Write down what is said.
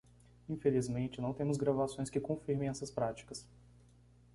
Infelizmente, não temos gravações que confirmem essas práticas.